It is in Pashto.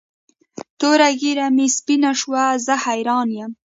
توره ږیره مې سپینه شوه زه حیران یم.